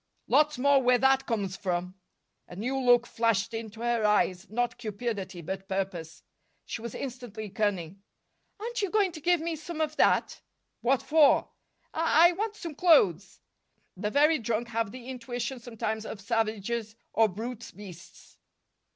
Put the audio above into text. "Lots more where that comes from." A new look flashed into her eyes, not cupidity, but purpose. She was instantly cunning. "Aren't you going to give me some of that?" "What for?" "I I want some clothes." The very drunk have the intuition sometimes of savages or brute beasts.